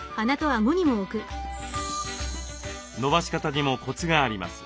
伸ばし方にもコツがあります。